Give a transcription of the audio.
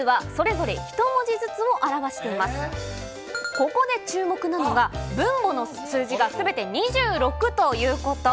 ここで注目なのが、分母の数字がすべて２６ということ。